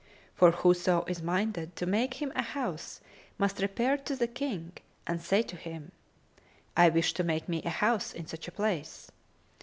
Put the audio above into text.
For whoso is minded to make him a house must repair to the King and say to him, 'I wish to make me a house in such a place.'